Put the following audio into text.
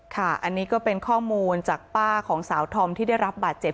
ค่ะอันนี้ก็เป็นข้อมูลจากป้าของสาวธอมที่ได้รับบาดเจ็บ